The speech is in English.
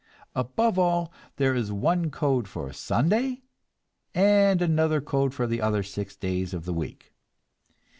Above all, there is one code for Sunday and another code for the other six days of the week.